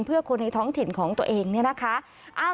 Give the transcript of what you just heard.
เพื่อคนในท้องถิ่นของตัวเองเนี่ยนะคะ